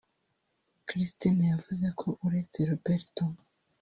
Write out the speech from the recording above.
Christine yavuze ko uretse Roberto